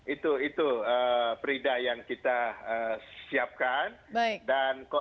itu itu peridah yang kita siapkan dan